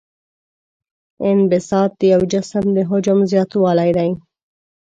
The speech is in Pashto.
انبساط د یو جسم د حجم زیاتوالی دی.